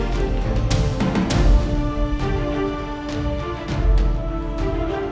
substance makasih dong working